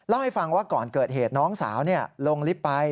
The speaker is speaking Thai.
เล่าให้ฟังว่าก่อนเกิดเหตุน้องสาวลงลิฟต์ไป